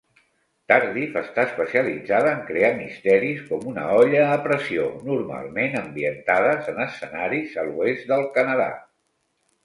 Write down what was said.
Tardif "està especialitzada en crear misteris com una olla a pressió, normalment ambientades en escenaris a l'Oest del Canadà.